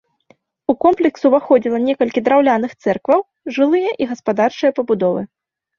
У комплекс уваходзіла некалькі драўляных цэркваў, жылыя і гаспадарчыя пабудовы.